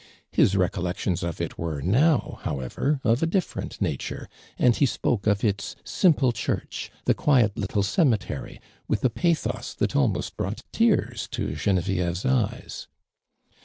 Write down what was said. His recollections of it were now, however, of a different nature. and he spoke of its simple church, the quiet little cemetery, with a pathos that almost brought tears to Genevieve's eyes.